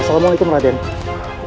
assalamualaikum wr wb